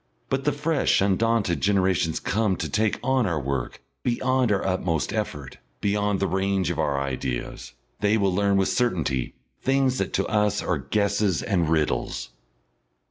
But the fresh undaunted generations come to take on our work beyond our utmost effort, beyond the range of our ideas. They will learn with certainty things that to us are guesses and riddles....